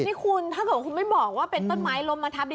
นี่คุณถ้าเกิดคุณไม่บอกว่าเป็นต้นไม้ล้มมาทับ